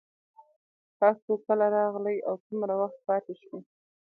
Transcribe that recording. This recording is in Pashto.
تاسو کله راغلئ او څومره وخت پاتې شوئ